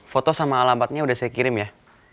foto sama alam parenya udah saya kirim ya